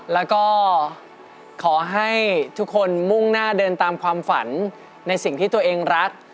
แล้วก็ขอให้ทุกคนมุ่งหน้าเดินตามความฝันในสิ่งที่ตัวเองรัก